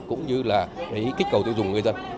cũng như là kích cầu tiêu dùng người dân